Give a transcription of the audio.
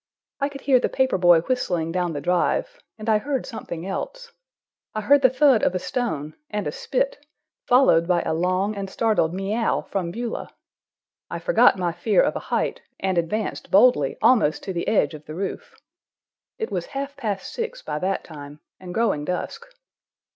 I could hear the paper boy whistling down the drive, and I heard something else. I heard the thud of a stone, and a spit, followed by a long and startled meiou from Beulah. I forgot my fear of a height, and advanced boldly almost to the edge of the roof. It was half past six by that time, and growing dusk.